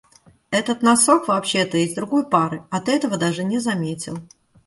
Этот носок вообще-то из другой пары, а ты этого даже не заметил.